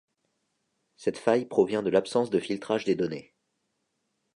Cette faille provient de l'absence de filtrage des données.